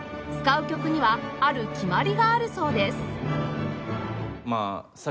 使う曲にはある決まりがあるそうです